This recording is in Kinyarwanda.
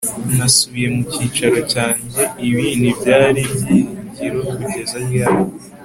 nasubiye mu cyicaro cyanjye. ibi ntibyari byiringiro; kugeza ryari